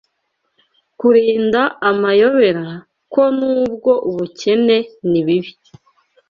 Kurinda amayobera, ko, nubwo ubukene nibibi